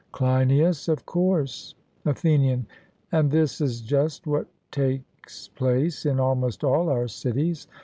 CLEINIAS: Of course. ATHENIAN: And this is just what takes place in almost all our cities.